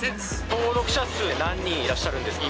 登録者数何人いらっしゃるんですか？